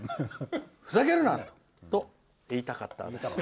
ふざけるな！と言いたかった私は。